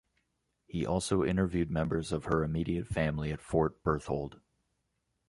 He also interviewed members of her immediate family at Fort Berthold.